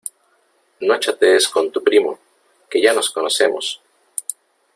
No chatees con tu primo, ¡que ya nos conocemos!